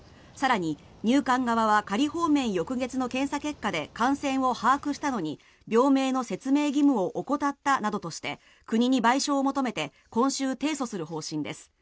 更に、入管側は仮放免翌月の検査結果で感染を把握したのに病名の説明義務を怠ったなどとして国に賠償を求めて今週、提訴する方針です。